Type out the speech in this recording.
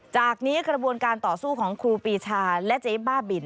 จากนี้กระบวนการต่อสู้ของครูปีชาและเจ๊บ้าบิน